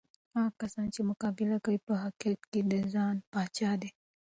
هغه کس چې مقابله کوي، په حقیقت کې د ځان پاچا دی.